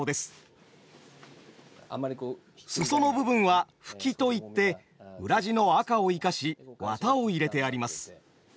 裾の部分は「ふき」といって裏地の赤を生かし綿を入れてあります。